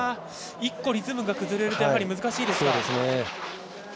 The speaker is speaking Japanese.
１個リズムが崩れると難しいですか。